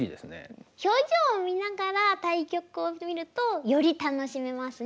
表情を見ながら対局を見るとより楽しめますね。